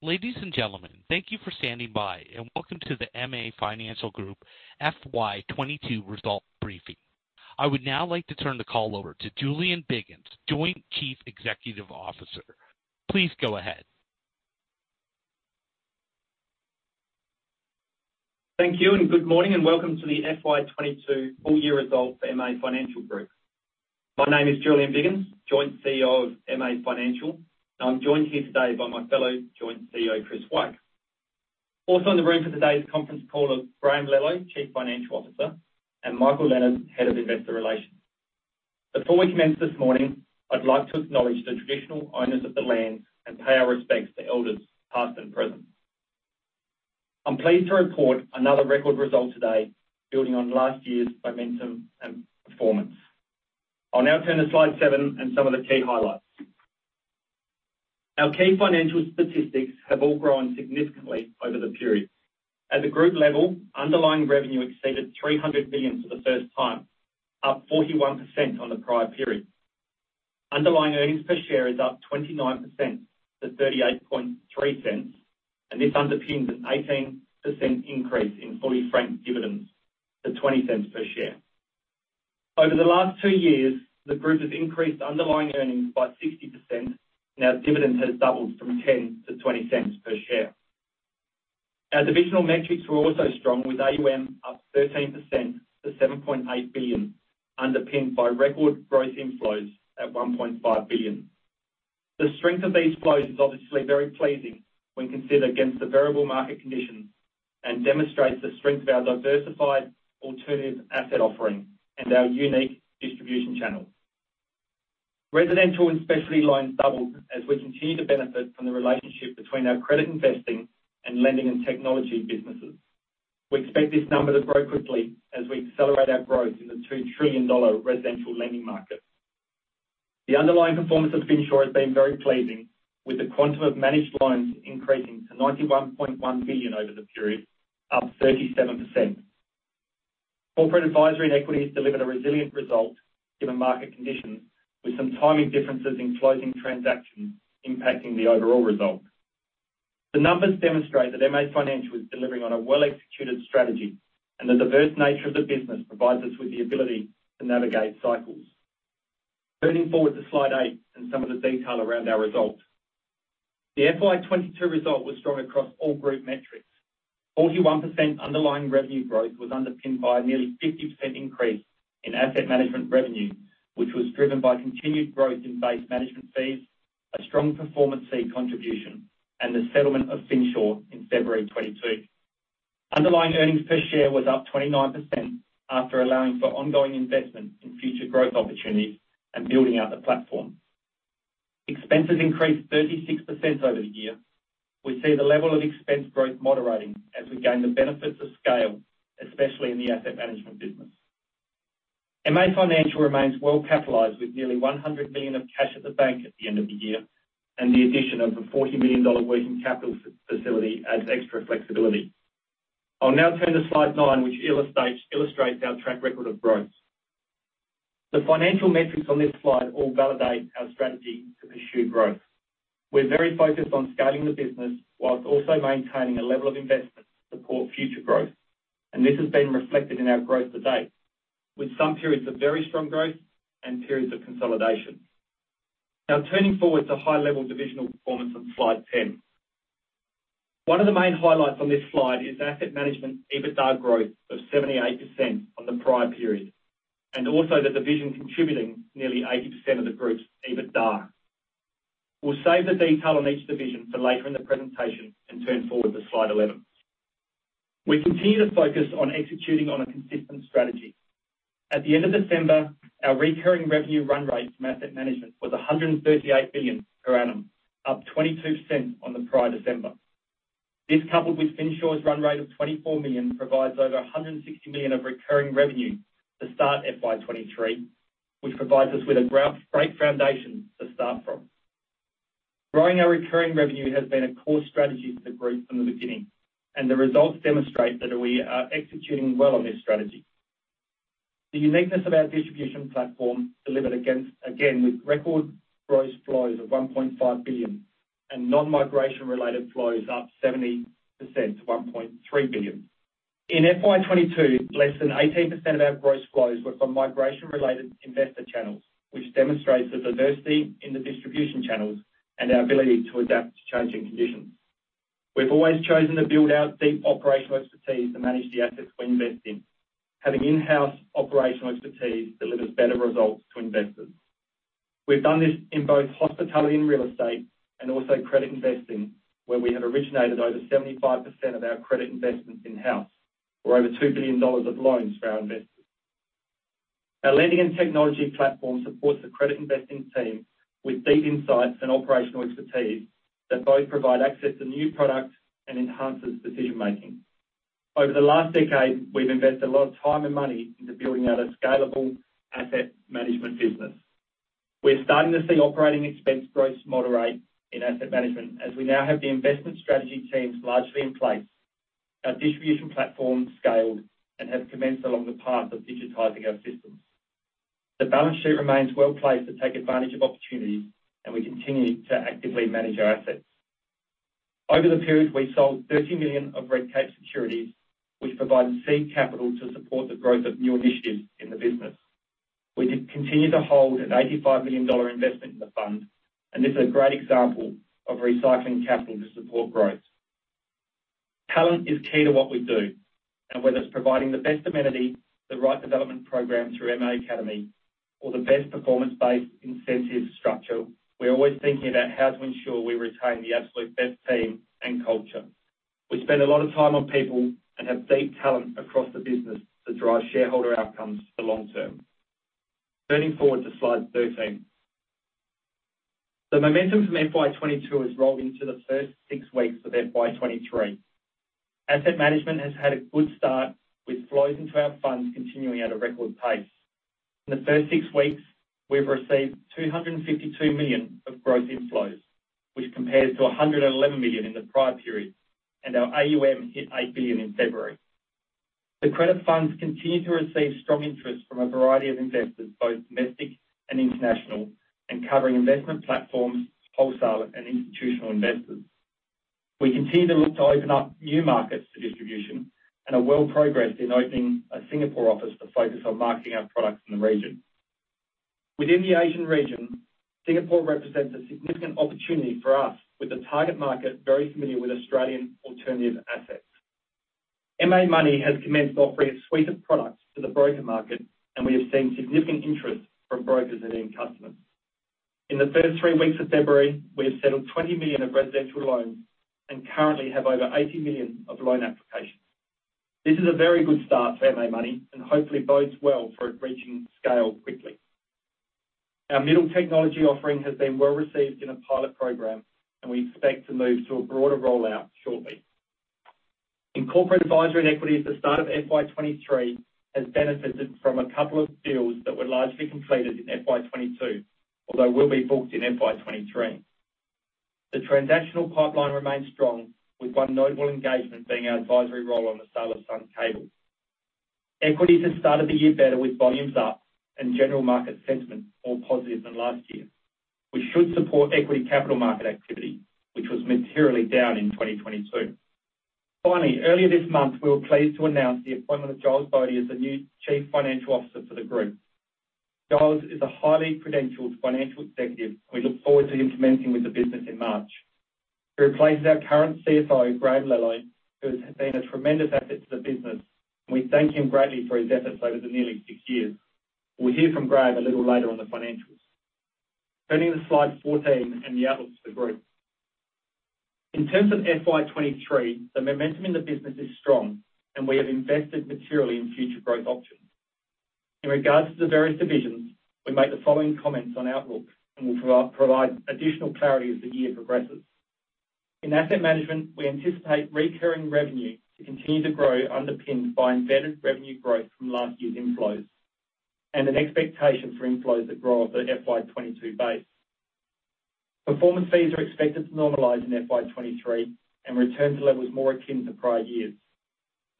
Ladies and gentlemen, thank you for standing by. Welcome to the MA Financial Group FY 2022 results briefing. I would now like to turn the call over to Julian Biggins, Joint Chief Executive Officer. Please go ahead. Thank you, good morning, and welcome to the FY 2022 full year results for MA Financial Group. My name is Julian Biggins, Joint CEO of MA Financial, I'm joined here today by my fellow Joint CEO, Chris Wyke. Also in the room for today's conference call are Graham Lello, Chief Financial Officer, and Michael Leonard, Head of Investor Relations. Before we commence this morning, I'd like to acknowledge the traditional owners of the land and pay our respects to elders past and present. I'm pleased to report another record result today building on last year's momentum and performance. I'll now turn to slide 7 and some of the key highlights. Our key financial statistics have all grown significantly over the period. At the group level, underlying revenue exceeded 300 billion for the first time, up 41% on the prior period. Underlying earnings per share is up 29% to 0.383, and this underpins an 18% increase in fully franked dividends to 0.20 per share. Over the last two years, the group has increased underlying earnings by 60%. Dividend has doubled from 0.10 to 0.20 per share. Our divisional metrics were also strong, with AUM up 13% to 7.8 billion, underpinned by record gross inflows at 1.5 billion. The strength of these flows is obviously very pleasing when considered against the variable market conditions and demonstrates the strength of our diversified alternative asset offering and our unique distribution channels. Residential and specialty lines doubled as we continue to benefit from the relationship between our credit investing and lending and technology businesses. We expect this number to grow quickly as we accelerate our growth in the 2 trillion dollar residential lending market. The underlying performance of Finsure has been very pleasing, with the quantum of managed loans increasing to 91.1 billion over the period, up 37%. Corporate advisory and equity has delivered a resilient result given market conditions, with some timing differences in closing transactions impacting the overall results. The numbers demonstrate that MA Financial is delivering on a well-executed strategy. The diverse nature of the business provides us with the ability to navigate cycles. Turning forward to slide 8. Some of the detail around our results. The FY 2022 result was strong across all group metrics. 41% underlying revenue growth was underpinned by a nearly 50% increase in asset management revenue, which was driven by continued growth in base management fees, a strong performance fee contribution, and the settlement of Finsure in February 2022. Underlying earnings per share was up 29% after allowing for ongoing investment in future growth opportunities and building out the platform. Expenses increased 36% over the year. We see the level of expense growth moderating as we gain the benefits of scale, especially in the asset management business. MA Financial remains well capitalized with nearly 100 billion of cash at the bank at the end of the year and the addition of a 40 million dollar working capital facility as extra flexibility. I'll now turn to slide 9, which illustrates our track record of growth. The financial metrics on this slide all validate our strategy to pursue growth. We're very focused on scaling the business while also maintaining a level of investment to support future growth. This has been reflected in our growth to date, with some periods of very strong growth and periods of consolidation. Turning forward to high-level divisional performance on slide 10. One of the main highlights on this slide is asset management EBITDA growth of 78% on the prior period, and also the division contributing nearly 80% of the group's EBITDA. We'll save the detail on each division for later in the presentation and turn forward to slide 11. We continue to focus on executing on a consistent strategy. At the end of December, our recurring revenue run rate from asset management was 138 billion per annum, up 22% on the prior December. This, coupled with Finsure's run rate of 24 million, provides over 160 million of recurring revenue to start FY 2023, which provides us with a great foundation to start from. Growing our recurring revenue has been a core strategy for the group from the beginning. The results demonstrate that we are executing well on this strategy. The uniqueness of our distribution platform delivered against, again, with record gross flows of 1.5 billion and non-migration related flows up 70% to 1.3 billion. In FY 2022, less than 18% of our gross flows were from migration-related investor channels, which demonstrates the diversity in the distribution channels and our ability to adapt to changing conditions. We've always chosen to build out deep operational expertise to manage the assets we invest in. Having in-house operational expertise delivers better results to investors. We've done this in both hospitality and real estate and also credit investing, where we have originated over 75% of our credit investments in-house or over 2 billion dollars of loans for our investors. Our lending and technology platform supports the credit investing team with deep insights and operational expertise that both provide access to new products and enhances decision-making. Over the last decade, we've invested a lot of time and money into building out a scalable asset management business. We're starting to see operating expense growth moderate in asset management as we now have the investment strategy teams largely in place, our distribution platform scaled, and have commenced along the path of digitizing our systems. The balance sheet remains well placed to take advantage of opportunities, and we continue to actively manage our assets. Over the period, we sold 30 million of Redcape securities, which provide seed capital to support the growth of new initiatives in the business. We continue to hold an AUD 85 million investment in the fund. This is a great example of recycling capital to support growth. Talent is key to what we do. Whether it's providing the best amenity, the right development program through MA Academy or the best performance-based incentive structure, we're always thinking about how to ensure we retain the absolute best team and culture. We spend a lot of time on people and have deep talent across the business to drive shareholder outcomes for long term. Turning forward to slide 13. The momentum from FY 22 has rolled into the first six weeks of FY 23. Asset management has had a good start with flows into our funds continuing at a record pace. In the first six weeks, we've received 252 million of gross inflows, which compares to 111 million in the prior period. Our AUM hit 8 billion in February. The credit funds continue to receive strong interest from a variety of investors, both domestic and international, covering investment platforms, wholesaler, and institutional investors. We continue to look to open up new markets to distribution and are well progressed in opening a Singapore office to focus on marketing our products in the region. Within the Asian region, Singapore represents a significant opportunity for us with the target market very familiar with Australian alternative assets. MA Money has commenced offering a suite of products to the broker market. We have seen significant interest from brokers and end customers. In the first three weeks of February, we have settled 20 million of residential loans and currently have over 80 million of loan applications. This is a very good start for MA Money, and hopefully bodes well for it reaching scale quickly. Our Middlee technology offering has been well received in a pilot program, and we expect to move to a broader rollout shortly. In corporate advisory and equities, the start of FY 2023 has benefited from a couple of deals that were largely completed in FY 2022. Will be booked in FY 2023. The transactional pipeline remains strong with one notable engagement being our advisory role on the sale of Sun Cable. Equities have started the year better with volumes up and general market sentiment more positive than last year, which should support equity capital market activity, which was materially down in 2022. Finally, earlier this month, we were pleased to announce the appointment of Giles Boddy as the new chief financial officer for the group. Giles is a highly credentialed financial executive. We look forward to him commencing with the business in March. He replaces our current CFO, Graham Lello, who has been a tremendous asset to the business. We thank him greatly for his efforts over the nearly six years. We'll hear from Graham little later on the financials. Turning to slide 14 and the outlook for the group. In terms of FY 2023, the momentum in the business is strong, and we have invested materially in future growth options. In regards to the various divisions, we make the following comments on outlook and will provide additional clarity as the year progresses. In asset management, we anticipate recurring revenue to continue to grow, underpinned by embedded revenue growth from last year's inflows, and an expectation for inflows that grow off the FY 2022 base. Performance fees are expected to normalize in FY 2023 and return to levels more akin to prior years.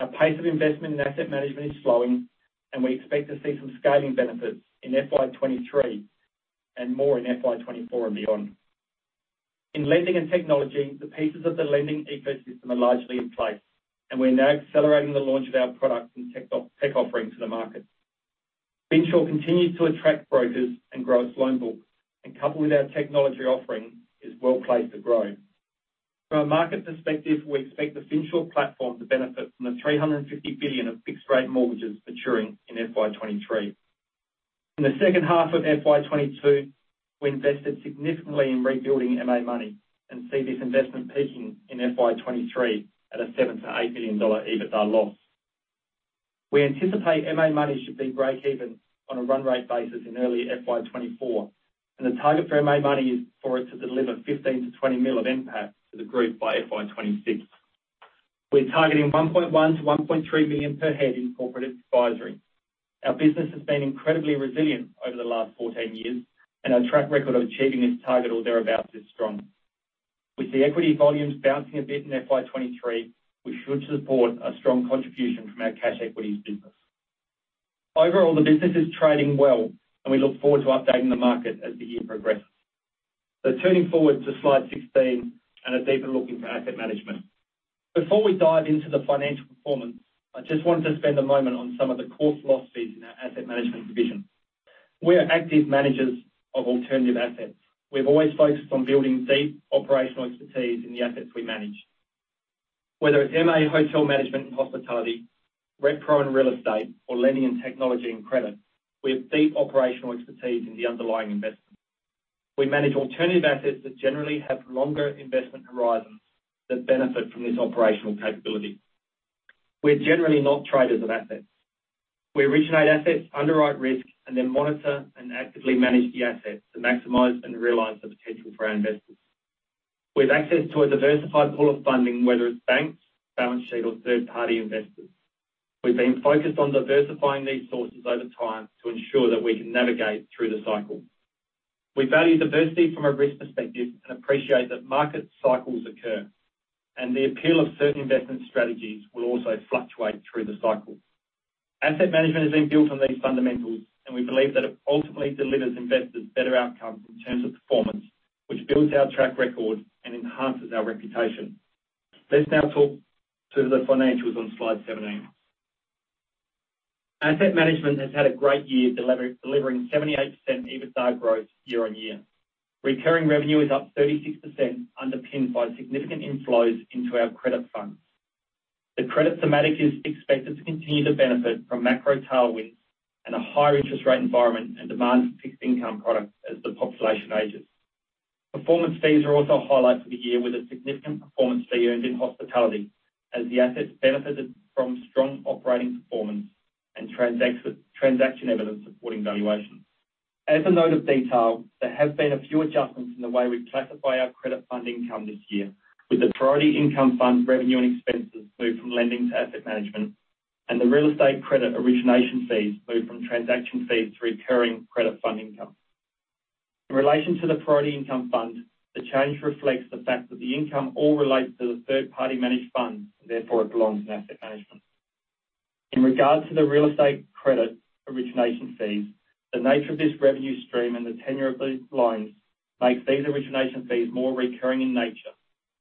Our pace of investment in asset management is slowing, and we expect to see some scaling benefits in FY 2023 and more in FY 2024 and beyond. In lending and technology, the pieces of the lending ecosystem are largely in place, and we're now accelerating the launch of our products and tech offering to the market. Finsure continues to attract brokers and grow its loan book, and coupled with our technology offering, is well placed to grow. From a market perspective, we expect the Finsure platform to benefit from the 350 billion of fixed-rate mortgages maturing in FY 2023. In the second half of FY 2022, we invested significantly in rebuilding MA Money and see this investment peaking in FY 2023 at a 7 million-8 million EBITDA loss. We anticipate MA Money should be breakeven on a run rate basis in early FY 2024, and the target for MA Money is for it to deliver 15 million-20 million of NPAT to the group by FY 2026. We're targeting 1.1 million-1.3 million per head in corporate advisory. Our business has been incredibly resilient over the last 14 years, and our track record of achieving this target or thereabout is strong. With the equity volumes bouncing a bit in FY 2023, we should support a strong contribution from our cash equities business. Overall, the business is trading well. We look forward to updating the market as the year progresses. Turning forward to slide 16 and a deeper look into asset management. Before we dive into the financial performance, I just wanted to spend a moment on some of the core philosophies in our asset management division. We are active managers of alternative assets. We've always focused on building deep operational expertise in the assets we manage. Whether it's MA Hotel Management and Hospitality, Retpro and Real Estate, or Lending Technology and Credit, we have deep operational expertise in the underlying investment. We manage alternative assets that generally have longer investment horizons that benefit from this operational capability. We're generally not traders of assets. We originate assets, underwrite risk, and then monitor and actively manage the assets to maximize and realize the potential for our investors. We have access to a diversified pool of funding, whether it's banks, balance sheet or third-party investors. We've been focused on diversifying these sources over time to ensure that we can navigate through the cycle. We value diversity from a risk perspective and appreciate that market cycles occur. The appeal of certain investment strategies will also fluctuate through the cycle. Asset management has been built on these fundamentals. We believe that it ultimately delivers investors better outcomes in terms of performance, which builds our track record and enhances our reputation. Let's now talk to the financials on slide 17. Asset management has had a great year delivering 78% EBITDA growth year-on-year. Recurring revenue is up 36%, underpinned by significant inflows into our credit funds. The credit thematic is expected to continue to benefit from macro tailwinds and a higher interest rate environment and demand for fixed income products as the population ages. Performance fees are also a highlight for the year, with a significant performance fee earned in hospitality as the assets benefited from strong operating performance and transaction evidence supporting valuations. As a note of detail, there have been a few adjustments in the way we classify our credit fund income this year, with the Priority Income Fund revenue and expenses moved from lending to asset management and the real estate credit origination fees moved from transaction fees to recurring credit fund income. In relation to the Priority Income Fund, the change reflects the fact that the income all relates to the third-party managed fund, therefore it belongs in asset management. In regards to the real estate credit origination fees, the nature of this revenue stream and the tenure of these loans make these origination fees more recurring in nature,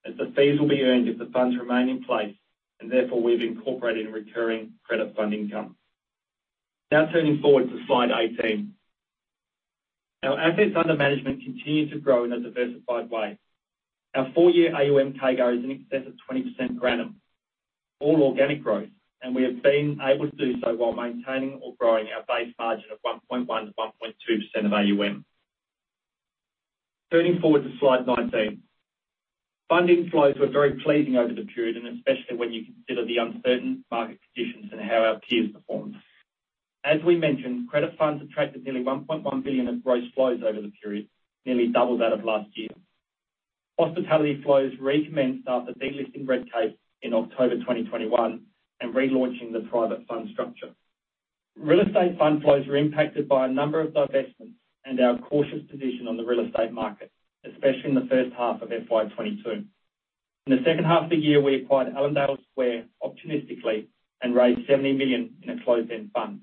as the fees will be earned if the funds remain in place, and therefore, we've incorporated recurring credit fund income. Turning forward to slide 18. Our assets under management continue to grow in a diversified way. Our four-year AUM CAGR is in excess of 20% per annum, all organic growth, and we have been able to do so while maintaining or growing our base margin of 1.1%-1.2% of AUM. Turning forward to slide 19. Fund inflows were very pleasing over the period, and especially when you consider the uncertain market conditions and how our peers performed. As we mentioned, credit funds attracted nearly 1.1 billion of gross flows over the period, nearly double that of last year. Hospitality flows recommenced after delisting Redcape in October 2021 and relaunching the private fund structure. Real estate fund flows were impacted by a number of divestments and our cautious position on the real estate market, especially in the first half of FY 2022. In the second half of the year, we acquired Allendale Square opportunistically and raised 70 million in a closed-end fund.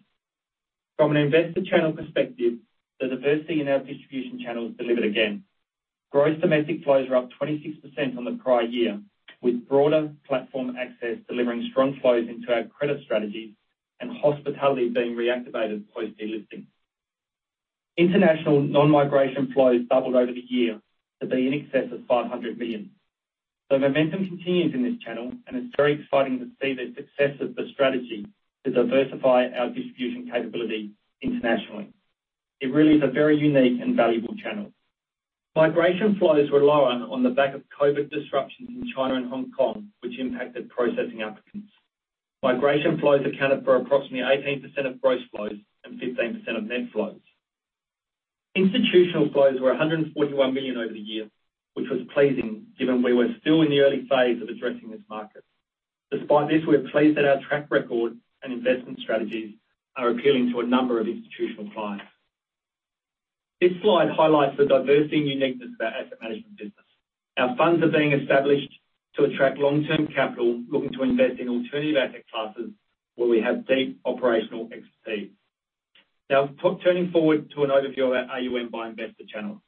From an investor channel perspective, the diversity in our distribution channels delivered again. Gross domestic flows are up 26% on the prior year, with broader platform access delivering strong flows into our credit strategies and hospitality being reactivated post delisting. International non-migration flows doubled over the year to be in excess of 500 million. Momentum continues in this channel, and it's very exciting to see the success of the strategy to diversify our distribution capability internationally. It really is a very unique and valuable channel. Migration flows were lower on the back of COVID disruptions in China and Hong Kong, which impacted processing applicants. Migration flows accounted for approximately 18% of gross flows and 15% of net flows. Institutional flows were 141 million over the year, which was pleasing given we were still in the early phase of addressing this market. Despite this, we're pleased that our track record and investment strategies are appealing to a number of institutional clients. This slide highlights the diversity and uniqueness of our asset management business. Our funds are being established to attract long-term capital looking to invest in alternative asset classes where we have deep operational expertise. Turning forward to an overview of our AUM by investor channels.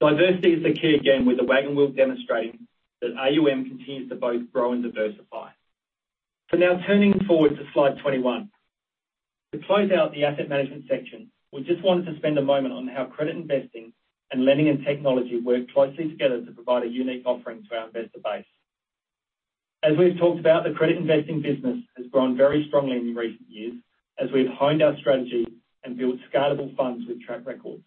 Diversity is the key again, with the wagon wheel demonstrating that AUM continues to both grow and diversify. Turning forward to slide 21. To close out the asset management section, we just wanted to spend a moment on how credit investing and lending and technology work closely together to provide a unique offering to our investor base. As we've talked about, the credit investing business has grown very strongly in recent years as we've honed our strategy and built scalable funds with track records.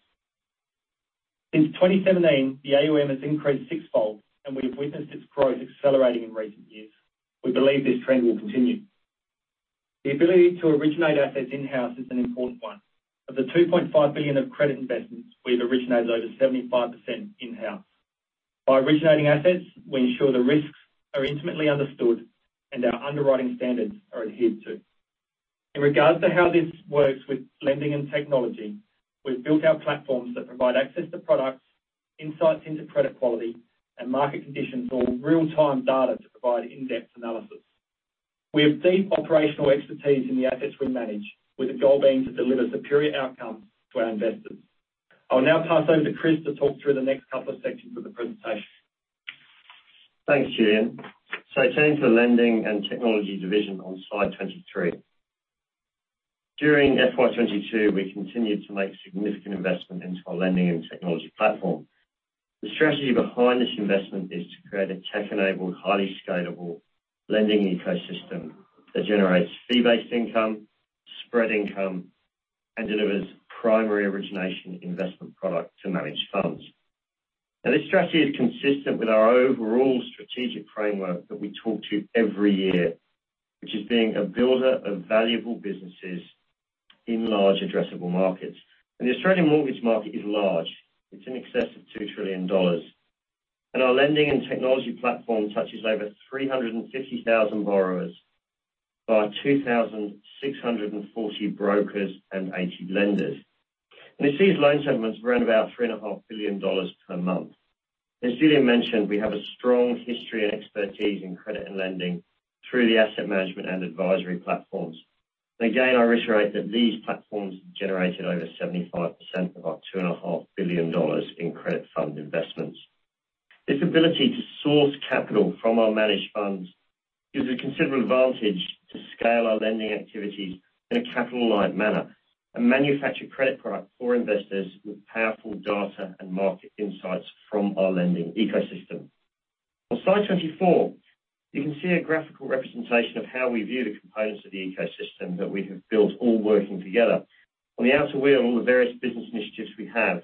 Since 2017, the AUM has increased six-fold, and we have witnessed its growth accelerating in recent years. We believe this trend will continue. The ability to originate assets in-house is an important one. Of the 2.5 billion of credit investments, we've originated over 75% in-house. By originating assets, we ensure the risks are intimately understood and our underwriting standards are adhered to. In regards to how this works with lending and technology, we've built our platforms that provide access to products, insights into credit quality, and market conditions, or real-time data to provide in-depth analysis. We have deep operational expertise in the assets we manage, with the goal being to deliver superior outcomes to our investors. I'll now pass over to Chris to talk through the next couple of sections of the presentation. Thanks, Julian. Turning to the lending and technology division on slide 23. During FY 2022, we continued to make significant investment into our lending and technology platform. The strategy behind this investment is to create a tech-enabled, highly scalable lending ecosystem that generates fee-based income, spread income, and delivers primary origination investment product to managed funds. This strategy is consistent with our overall strategic framework that we talk to every year, which is being a builder of valuable businesses in large addressable markets. The Australian mortgage market is large. It's in excess of 2 trillion dollars. Our lending and technology platform touches over 350,000 borrowers, by 2,640 brokers and 80 lenders. It sees loan settlements run about 3.5 billion dollars per month. As Julian mentioned, we have a strong history and expertise in credit and lending through the asset management and advisory platforms. Again, I reiterate that these platforms generated over 75% of our 2.5 billion dollars in credit fund investments. This ability to source capital from our managed funds gives a considerable advantage to scale our lending activities in a capital-light manner and manufacture credit products for investors with powerful data and market insights from our lending ecosystem. On slide 24, you can see a graphical representation of how we view the components of the ecosystem that we have built all working together. On the outer wheel are the various business initiatives we have.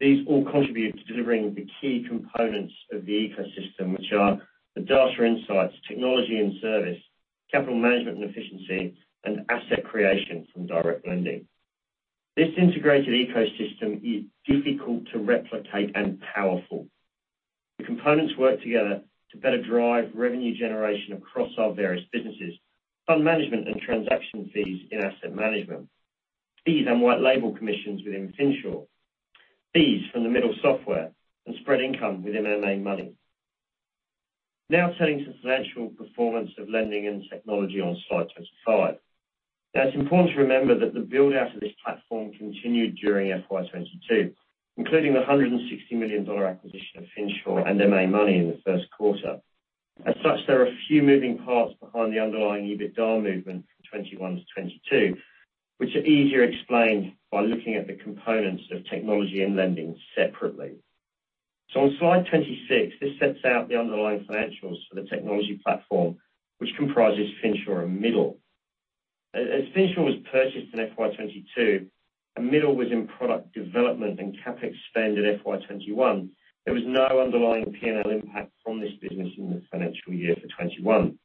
These all contribute to delivering the key components of the ecosystem, which are the data insights, technology and service, capital management and efficiency, and asset creation from direct lending. This integrated ecosystem is difficult to replicate and powerful. The components work together to better drive revenue generation across our various businesses, fund management and transaction fees in asset management. Fees and white label commissions within Finsure. Fees from the Middle software and spread income within MA Money. Turning to the financial performance of lending and technology on slide 25. It's important to remember that the build-out of this platform continued during FY 2022, including the 160 million dollar acquisition of Finsure and MA Money in the first quarter. As such, there are a few moving parts behind the underlying EBITDA movement from 2021 to 2022, which are easier explained by looking at the components of technology and lending separately. On slide 26, this sets out the underlying financials for the technology platform, which comprises Finsure and Middle. As Finsure was purchased in FY 2022, and Middle was in product development and CapEx spend in FY 2021, there was no underlying P&L impact from this business in the financial year for 2021.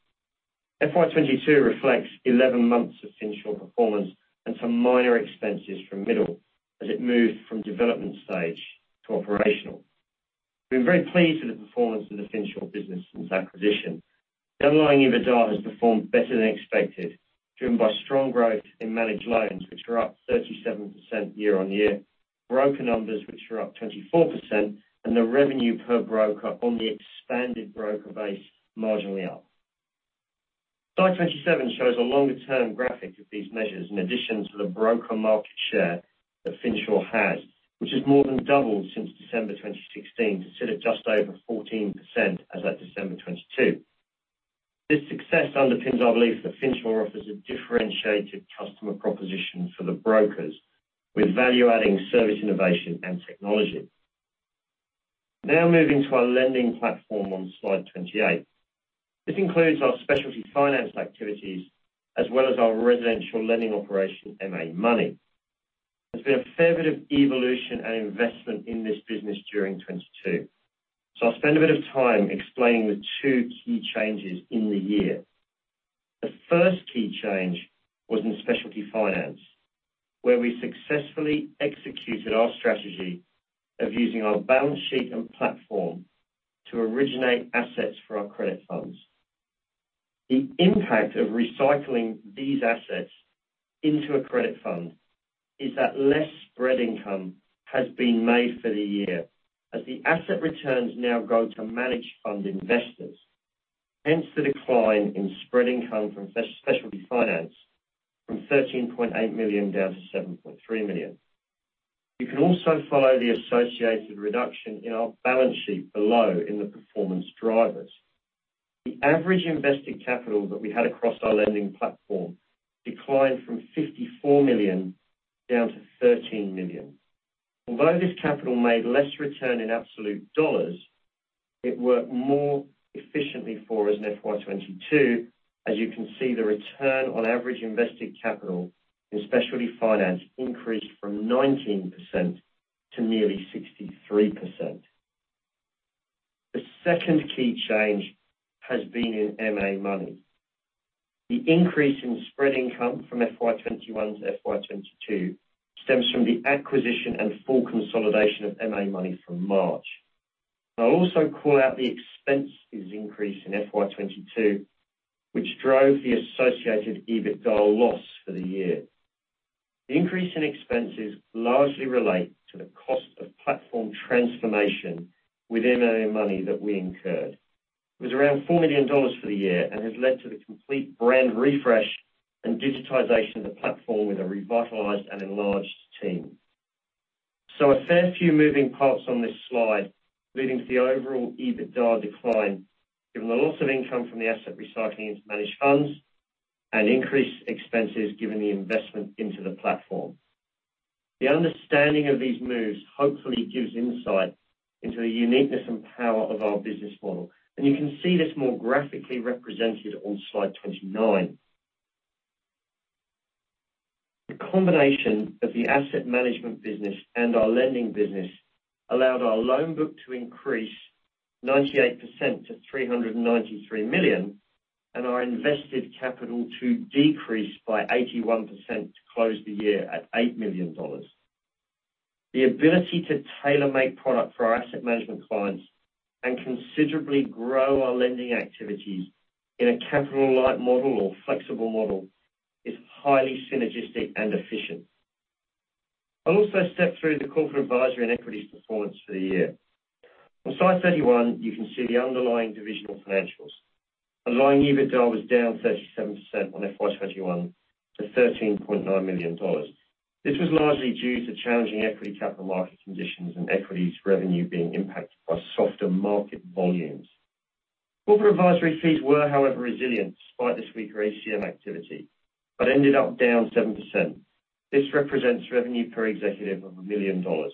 FY 2022 reflects 11 months of Finsure performance and some minor expenses from Middle as it moved from development stage to operational. We're very pleased with the performance of the Finsure business since acquisition. The underlying EBITDA has performed better than expected, driven by strong growth in managed loans, which are up 37% year-on-year, broker numbers which are up 24%, and the revenue per broker on the expanded broker base marginally up. Slide 27 shows a longer-term graphic of these measures in addition to the broker market share that Finsure has, which has more than doubled since December 2016 to sit at just over 14% as at December 2022. This success underpins our belief that Finsure offers a differentiated customer proposition for the brokers with value-adding service innovation and technology. Moving to our lending platform on slide 28. This includes our specialty finance activities as well as our residential lending operation, MA Money. There's been a fair bit of evolution and investment in this business during 2022. I'll spend a bit of time explaining the two key changes in the year. The first key change was in specialty finance, where we successfully executed our strategy of using our balance sheet and platform to originate assets for our credit funds. The impact of recycling these assets into a credit fund is that less spread income has been made for the year as the asset returns now go to managed fund investors. The decline in spread income from specialty finance from 13.8 million down to 7.3 million. You can also follow the associated reduction in our balance sheet below in the performance drivers. The average invested capital that we had across our lending platform declined from 54 million down to 13 million. Although this capital made less return in absolute dollars, it worked more efficiently for us in FY 2022. As you can see, the return on average invested capital in specialty finance increased from 19% to nearly 63%. The second key change has been in MA Money. The increase in spread income from FY 2021 to FY 2022 stems from the acquisition and full consolidation of MA Money from March. I'll also call out the expenses increase in FY 2022, which drove the associated EBITDA loss for the year. The increase in expenses largely relate to the cost of platform transformation within MA Money that we incurred. It was around 4 million dollars for the year and has led to the complete brand refresh and digitization of the platform with a revitalized and enlarged team. A fair few moving parts on this slide, leading to the overall EBITDA decline, given the loss of income from the asset recycling into managed funds and increased expenses given the investment into the platform. The understanding of these moves hopefully gives insight into the uniqueness and power of our business model. You can see this more graphically represented on slide 29. The combination of the asset management business and our lending business allowed our loan book to increase 98% to 393 million, and our invested capital to decrease by 81% to close the year at 8 million dollars. The ability to tailor-make product for our asset management clients and considerably grow our lending activities in a capital light model or flexible model is highly synergistic and efficient. I'll also step through the corporate advisory and equities performance for the year. On slide 31, you can see the underlying divisional financials. Underlying EBITDA was down 37% on FY 2021 to AUD 13.9 million. This was largely due to challenging equity capital market conditions and equities revenue being impacted by softer market volumes. Corporate advisory fees were, however, resilient despite this weaker ACM activity, but ended up down 7%. This represents revenue per executive of 1 million dollars,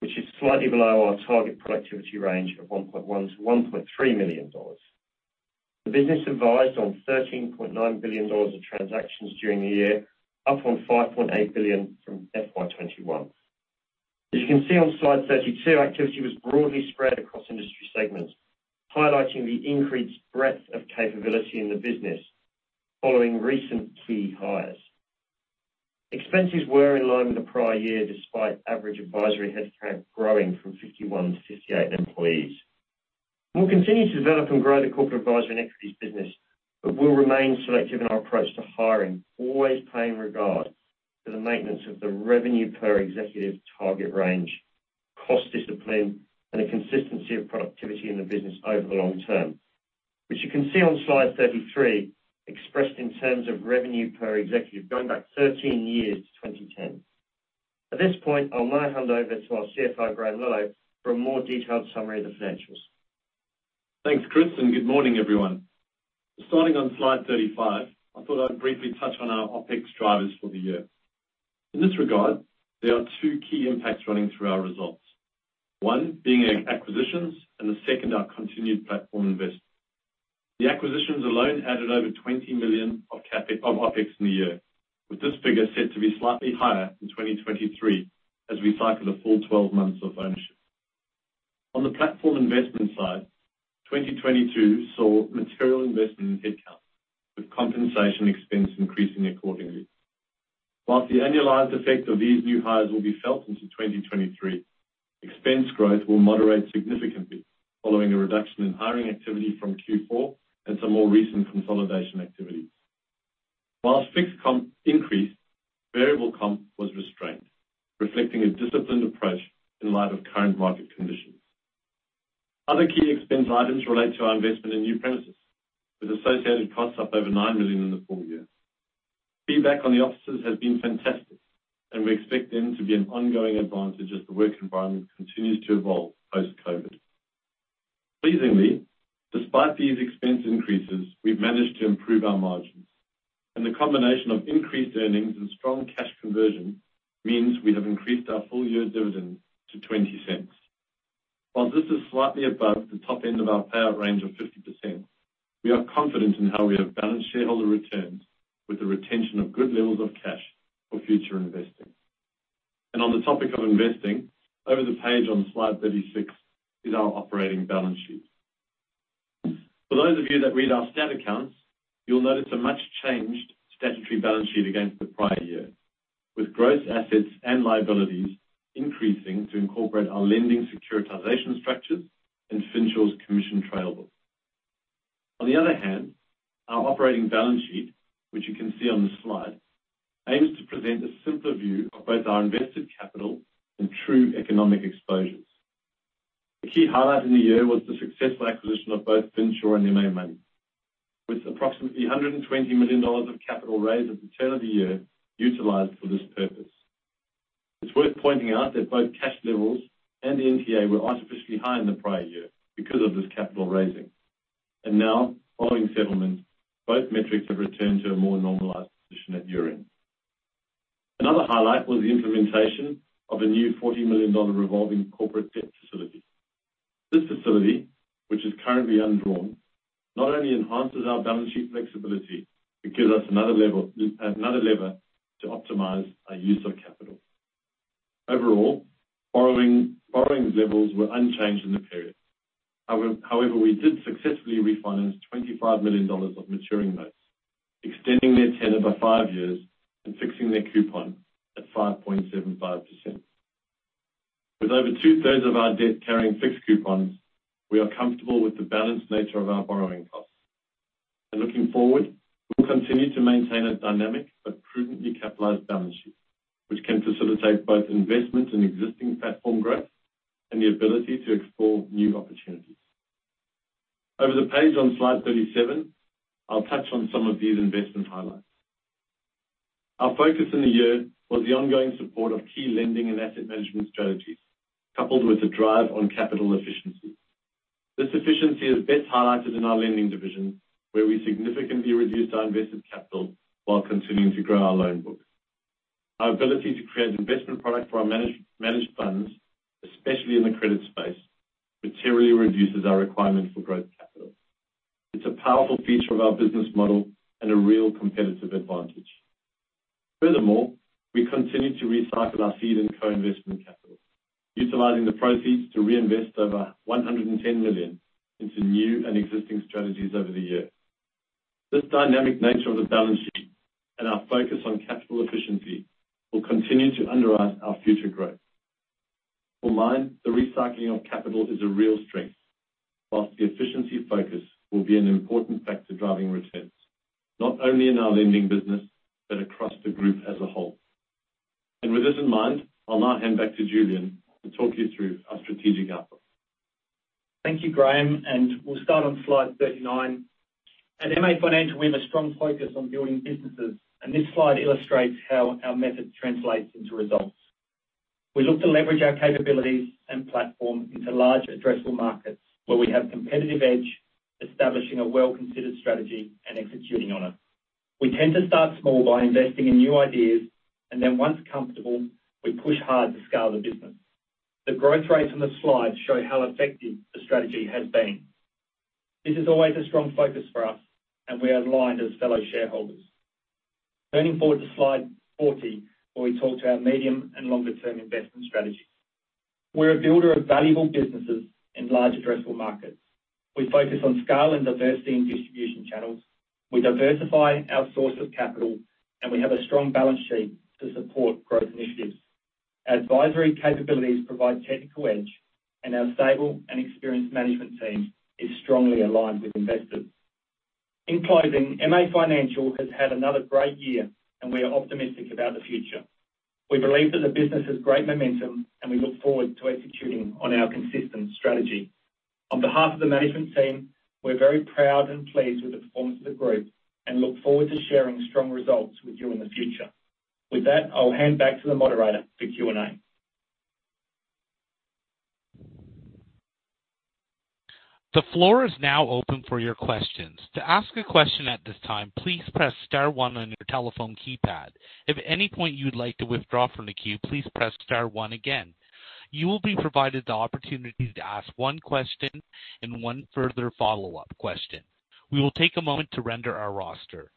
which is slightly below our target productivity range of 1.1 million-1.3 million dollars. The business advised on 13.9 billion dollars of transactions during the year, up from 5.8 billion from FY 2021. As you can see on slide 32, activity was broadly spread across industry segments, highlighting the increased breadth of capability in the business following recent key hires. Expenses were in line with the prior year, despite average advisory headcount growing from 51 to 58 employees. We'll continue to develop and grow the corporate advisory and equities business, but we'll remain selective in our approach to hiring, always paying regard to the maintenance of the revenue per executive target range, cost discipline, and a consistency of productivity in the business over the long term. Which you can see on slide 33, expressed in terms of revenue per executive going back 13 years to 2010. At this point, I'll now hand over to our CFO, Graham Lello, for a more detailed summary of the financials. Thanks, Chris, good morning, everyone. Starting on slide 35, I thought I'd briefly touch on our OpEx drivers for the year. In this regard, there are two key impacts running through our results. One being acquisitions and the second, our continued platform investment. The acquisitions alone added over 20 million of OpEx in the year, with this figure set to be slightly higher in 2023 as we cycle the full 12 months of ownership. On the platform investment side, 2022 saw material investment in headcount, with compensation expense increasing accordingly. Whilst the annualized effect of these new hires will be felt into 2023, expense growth will moderate significantly following a reduction in hiring activity from Q4 and some more recent consolidation activities. Whilst fixed comp increased, variable comp was restrained, reflecting a disciplined approach in light of current market conditions. Other key expense items relate to our investment in new premises, with associated costs up over 9 million in the full year. Feedback on the offices has been fantastic, and we expect them to be an ongoing advantage as the work environment continues to evolve post-COVID. Pleasingly, despite these expense increases, we've managed to improve our margins, and the combination of increased earnings and strong cash conversion means we have increased our full year dividend to 0.20. While this is slightly above the top end of our payout range of 50%, we are confident in how we have balanced shareholder returns with the retention of good levels of cash for future investing. On the topic of investing, over the page on slide 36 is our operating balance sheet. For those of you that read our stat accounts, you'll notice a much-changed statutory balance sheet against the prior year, with gross assets and liabilities increasing to incorporate our lending securitization structures and Finsure's commission trail book. On the other hand, our operating balance sheet, which you can see on the slide, aims to present a simpler view of both our invested capital and true economic exposures. The key highlight in the year was the successful acquisition of both Finsure and MA Money, with approximately 120 million dollars of capital raised at the turn of the year utilized for this purpose. Now, following settlement, both cash levels and the NTA were artificially high in the prior year because of this capital raising. Both metrics have returned to a more normalized position at year-end. Another highlight was the implementation of a new 40 million dollar revolving corporate debt facility. This facility, which is currently undrawn, not only enhances our balance sheet flexibility, but gives us another lever to optimize our use of capital. Overall, borrowing levels were unchanged in the period. However, we did successfully refinance 25 million dollars of maturing notes, extending their tenor by five years and fixing their coupon at 5.75%. With over two-thirds of our debt carrying fixed coupons, we are comfortable with the balanced nature of our borrowing costs. Looking forward, we'll continue to maintain a dynamic but prudently capitalized balance sheet, which can facilitate both investment and existing platform growth and the ability to explore new opportunities. Over the page on slide 37, I'll touch on some of these investment highlights. Our focus in the year was the ongoing support of key lending and asset management strategies, coupled with the drive on capital efficiency. This efficiency is best highlighted in our lending division, where we significantly reduced our invested capital while continuing to grow our loan book. Our ability to create investment product for our managed funds, especially in the credit space, materially reduces our requirement for growth capital. It's a powerful feature of our business model and a real competitive advantage. We continue to recycle our seed and co-investment capital, utilizing the proceeds to reinvest over 110 million into new and existing strategies over the year. This dynamic nature of the balance sheet and our focus on capital efficiency will continue to underwrite our future growth. For mine, the recycling of capital is a real strength, whilst the efficiency focus will be an important factor driving returns, not only in our lending business, but across the group as a whole. With this in mind, I'll now hand back to Julian to talk you through our strategic outlook. Thank you, Graham. We'll start on slide 39. At MA Financial, we have a strong focus on building businesses, and this slide illustrates how our method translates into results. We look to leverage our capabilities and platform into large addressable markets where we have competitive edge, establishing a well-considered strategy and executing on it. We tend to start small by investing in new ideas, and then once comfortable, we push hard to scale the business. The growth rates on the slide show how effective the strategy has been. This is always a strong focus for us, and we are aligned as fellow shareholders. Turning forward to slide 40, where we talk to our medium and longer term investment strategy. We're a builder of valuable businesses in large addressable markets. We focus on scale and diversity in distribution channels. We diversify our source of capital, and we have a strong balance sheet to support growth initiatives. Our advisory capabilities provide technical edge, and our stable and experienced management team is strongly aligned with investors. In closing, MA Financial has had another great year, and we are optimistic about the future. We believe that the business has great momentum, and we look forward to executing on our consistent strategy. On behalf of the management team, we're very proud and pleased with the performance of the group and look forward to sharing strong results with you in the future. With that, I'll hand back to the moderator for Q&A. The floor is now open for your questions. To ask a question at this time, please press star one on your telephone keypad. If at any point you'd like to withdraw from the queue, please press star one again. You will be provided the opportunity to ask one question and one further follow-up question. We will take a moment to render our roster.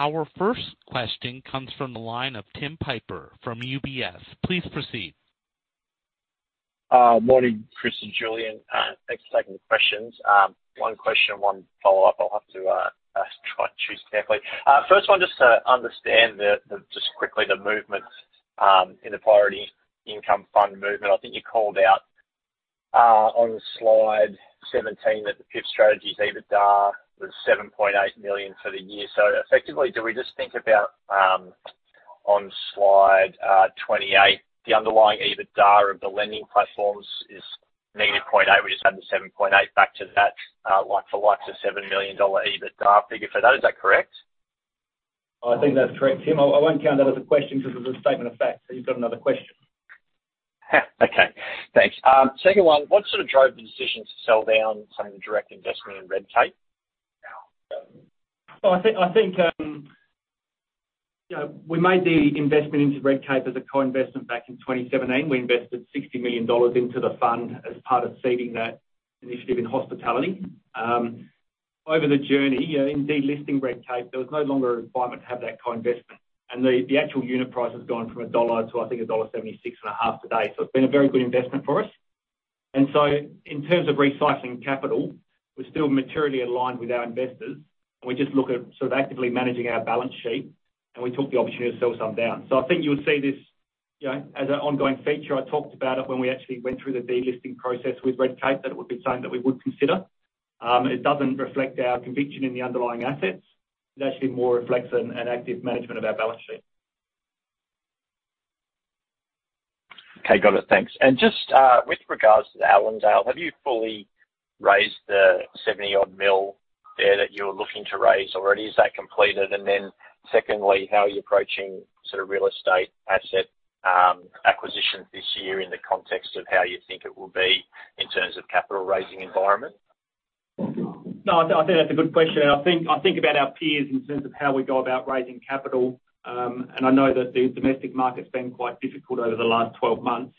Our first question comes from the line of Tim Piper from UBS. Please proceed. Morning, Chris and Julian. Thanks for taking the questions. One question, One follow-up. I'll have to try to choose carefully. First one, just to understand the just quickly the movement in the Priority Income Fund movement. I think you called out on slide 17 that the PIF strategy's EBITDA was 7.8 million for the year. Effectively, do we just think about on slide 28, the underlying EBITDA of the lending platforms is -0.8 million. We just add the 7.8 million back to that, like for likes of 7 million dollar EBITDA figure for that. Is that correct? I think that's correct, Tim. I won't count that as a question because it's a statement of fact. You've got another question. Okay. Thanks. Second one, what sort of drove the decision to sell down some of the direct investment in Redcape? I think, you know, we made the investment into Redcape as a co-investment back in 2017. We invested 60 million dollars into the fund as part of seeding that initiative in hospitality. Over the journey, you know, in delisting Redcape, there was no longer a requirement to have that co-investment. The actual unit price has gone from AUD 1 to, I think, dollar 1.765 today. It's been a very good investment for us. In terms of recycling capital, we're still materially aligned with our investors, and we just look at sort of actively managing our balance sheet, and we took the opportunity to sell some down. I think you would see this, you know, as an ongoing feature. I talked about it when we actually went through the delisting process with Redcape, that it would be something that we would consider. It doesn't reflect our conviction in the underlying assets. It actually more reflects an active management of our balance sheet. Okay. Got it. Thanks. Just with regards to Allendale, have you fully raised the 70 odd million there that you're looking to raise already? Is that completed? Secondly, how are you approaching sort of real estate asset acquisitions this year in the context of how you think it will be in terms of capital raising environment? No, I think that's a good question. I think about our peers in terms of how we go about raising capital, and I know that the domestic market's been quite difficult over the last 12 months.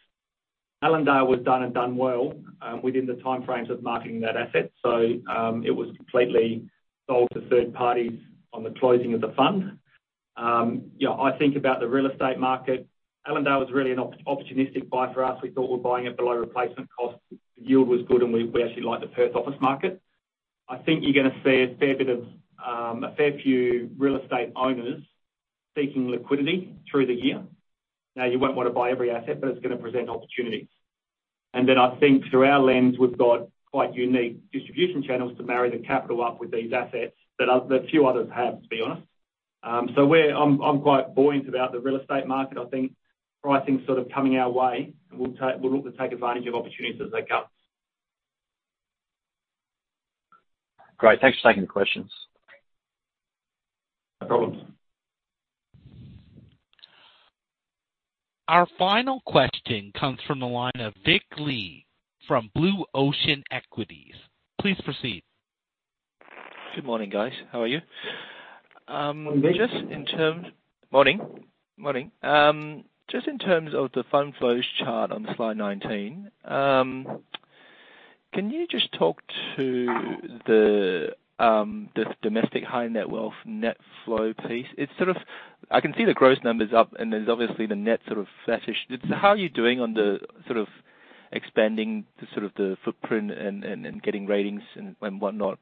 Allendale was done and done well, within the timeframes of marketing that asset. It was completely sold to third parties on the closing of the fund. You know, I think about the real estate market. Allendale was really an opportunistic buy for us. We thought we're buying it below replacement cost. The yield was good, and we actually like the Perth office market. I think you're gonna see a fair bit of a fair few real estate owners seeking liquidity through the year. Now, you won't wanna buy every asset, but it's gonna present opportunities. I think through our lens, we've got quite unique distribution channels to marry the capital up with these assets that few others have, to be honest. I'm quite buoyant about the real estate market. I think pricing's sort of coming our way, we'll look to take advantage of opportunities as they come. Great. Thanks for taking the questions. No problem. Our final question comes from the line of Victor Lee from Blue Ocean Equities. Please proceed. Good morning, guys. How are you? Morning, V. Morning. Just in terms of the fund flows chart on slide 19. Can you just talk to the domestic high net wealth net flow piece? It's sort of. I can see the gross numbers up and there's obviously the net sort of flattish. How are you doing on expanding the footprint and getting ratings and whatnot?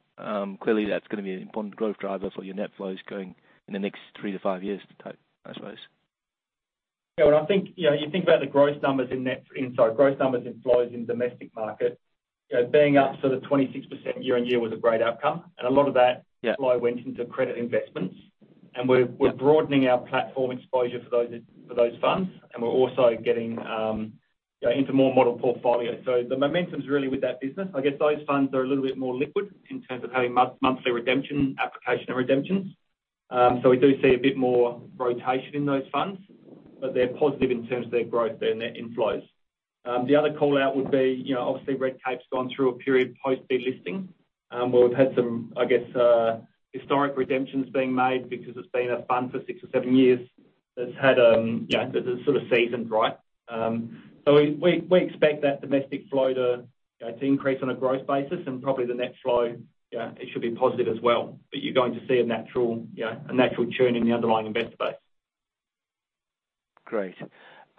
Clearly that's gonna be an important growth driver for your net flows going in the next three to five years type, I suppose. Yeah. Well, I think, you know, you think about the growth numbers in flows in domestic market, you know, being up sort of 26% year-on-year was a great outcome, and a lot of that- Yeah. -flow went into credit investments. Yeah. We're broadening our platform exposure for those, for those funds, and we're also getting, you know, into more model portfolio. The momentum's really with that business. I guess those funds are a little bit more liquid in terms of having monthly redemption application and redemptions. We do see a bit more rotation in those funds, but they're positive in terms of their growth there and their inflows. The other call-out would be, you know, obviously Redcape's gone through a period post de-listing, where we've had some, I guess, historic redemptions being made because it's been a fund for six or seven years that's had, you know, that it was sort of seasoned right. We expect that domestic flow to, you know, to increase on a growth basis and probably the next flow, you know, it should be positive as well. You're going to see a natural, you know, a natural churn in the underlying investor base. Great.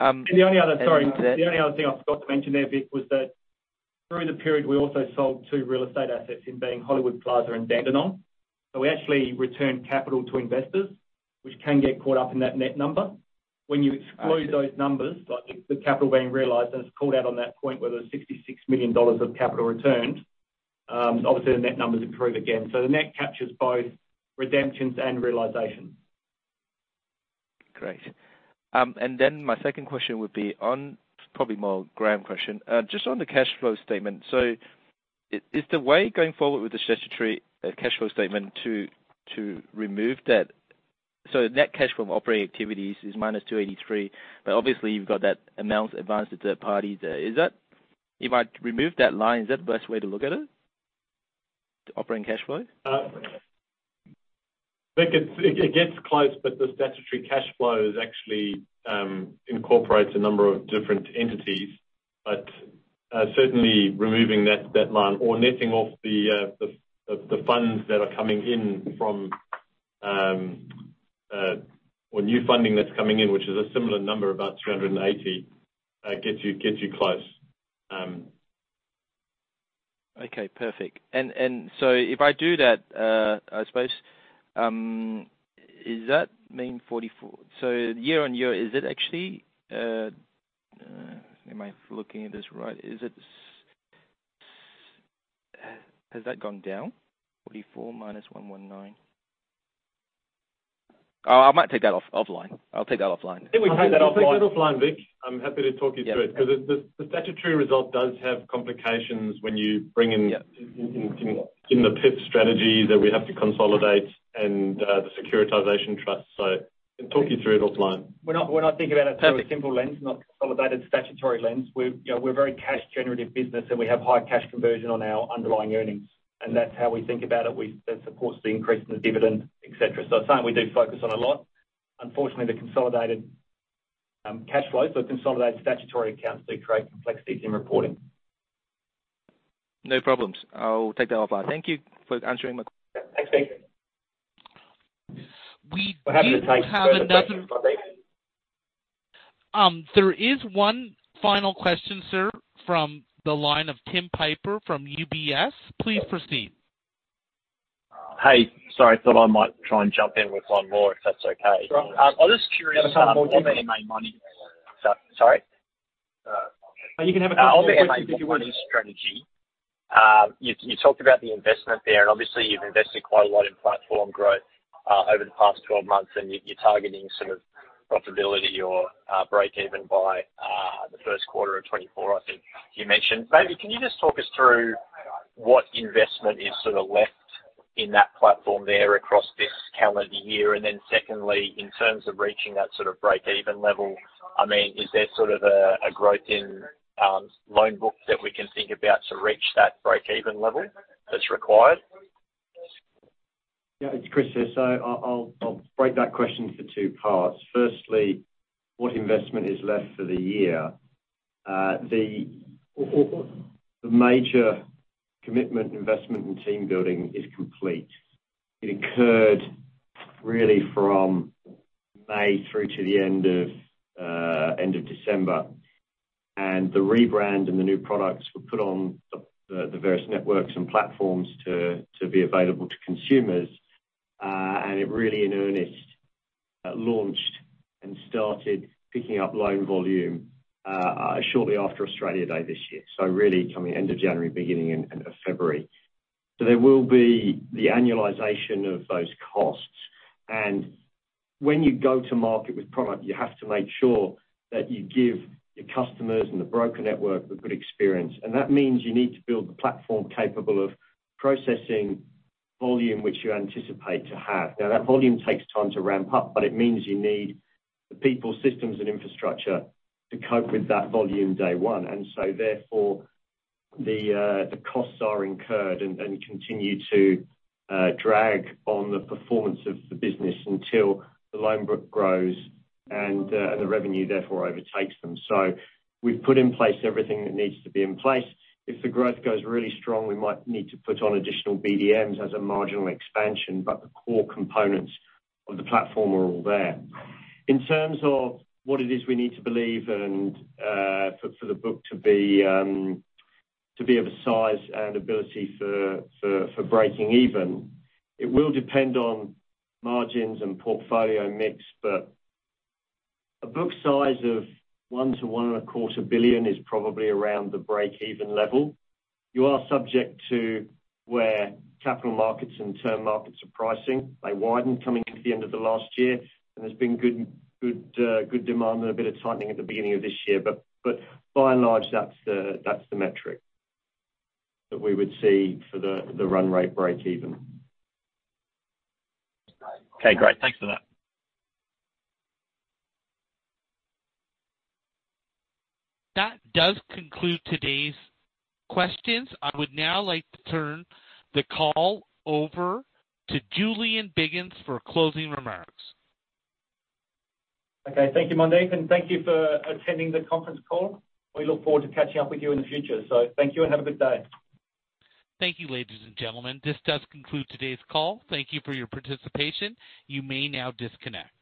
The only other. Sorry. The only other thing I forgot to mention there, Vic, was that through the period, we also sold two real estate assets in being Hollywood Plaza and Dandenong. We actually returned capital to investors, which can get caught up in that net number. When you exclude those numbers, like the capital being realized, and it's called out on that point where there was 66 million dollars of capital returned, obviously the net numbers improve again. The net captures both redemptions and realization. Great. My second question would be on probably more Graham Lello question. Just on the cash flow statement. Is the way going forward with the statutory cash flow statement to remove that? Net cash from operating activities is -283, but obviously you've got that amount advanced to third parties. If I remove that line, is that the best way to look at it, to operating cash flow? Vic, it gets close. The statutory cash flow actually incorporates a number of different entities. Certainly removing that line or netting off the funds that are coming in from, or new funding that's coming in, which is a similar number, about 380, gets you close. Okay, perfect. If I do that, I suppose, is that mean 44? Year-over-year, is it actually, am I looking at this right? Has that gone down? 44 minus 119. I might take that off-offline. I'll take that offline. We can take that offline, Vic. I'm happy to talk you through it. Yeah. 'Cause the statutory result does have complications when you bring. Yeah. in the PIP strategy that we have to consolidate and the securitization trust. Can talk you through it offline. Perfect. When I think about it through a simple lens, not consolidated statutory lens, we're, you know, we're a very cash generative business, and we have high cash conversion on our underlying earnings. That's how we think about it. That supports the increase in the dividend, et cetera. It's something we do focus on a lot. Unfortunately, the consolidated cash flows or consolidated statutory accounts do create complexities in reporting. No problems. I'll take that offline. Thank you for answering my. Thanks, Vic. There is one final question, sir, from the line of Tim Piper from UBS. Please proceed. Hey, sorry. Thought I might try and jump in with one more, if that's okay. Sure. I'm just curious MA Money. Sorry. You can have a On the MA Money strategy, you talked about the investment there, and obviously you've invested quite a lot in platform growth over the past 12 months, and you're targeting sort of profitability or breakeven by the first quarter of 2024, I think you mentioned. Maybe can you just talk us through what investment is sort of left in that platform there across this calendar year? Secondly, in terms of reaching that sort of breakeven level, I mean, is there sort of a growth in loan book that we can think about to reach that breakeven level that's required? Yeah. It's Chris Wyke here. I'll break that question for two parts. Firstly, what investment is left for the year? The major commitment investment in team building is complete. It occurred really from May through to the end of December. The rebrand and the new products were put on the various networks and platforms to be available to consumers. It really in earnest launched and started picking up loan volume shortly after Australia Day this year. Really coming end of January, beginning end of February. There will be the annualization of those costs. When you go to market with product, you have to make sure that you give your customers and the broker network a good experience. That means you need to build the platform capable of processing volume which you anticipate to have. That volume takes time to ramp up, but it means you need the people, systems, and infrastructure to cope with that volume day one. Therefore, the costs are incurred and continue to drag on the performance of the business until the loan book grows and the revenue therefore overtakes them. We've put in place everything that needs to be in place. If the growth goes really strong, we might need to put on additional BDMs as a marginal expansion, but the core components of the platform are all there. In terms of what it is we need to believe and, for the book to be of a size and ability for breaking even, it will depend on margins and portfolio mix, but a book size of 1 billion-1.25 billion is probably around the breakeven level. You are subject to where capital markets and term markets are pricing. They widened coming into the end of the last year, and there's been good demand and a bit of tightening at the beginning of this year. By and large, that's the metric that we would see for the run rate breakeven. Okay, great. Thanks for that. That does conclude today's questions. I would now like to turn the call over to Julian Biggins for closing remarks. Okay. Thank you, Operator, and thank you for attending the conference call. We look forward to catching up with you in the future. Thank you and have a good day. Thank you, ladies and gentlemen. This does conclude today's call. Thank you for your participation. You may now disconnect.